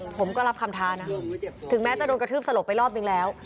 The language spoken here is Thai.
ผมก็รับคำท้านะถึงแม้จะโดนกระทืบสลบไปรอบนึงแล้ว